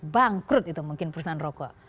bangkrut itu mungkin perusahaan rokok